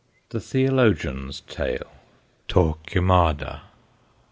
THE THEOLOGIAN'S TALE. TORQUEMADA.